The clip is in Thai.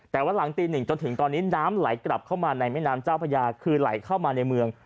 แต่ว่าหลังตีหนึ่งจนถึงตอนนี้น้ำไหลกลับเข้ามาในแม่น้ำเจ้าพญาคือไหลเข้ามาในเมือง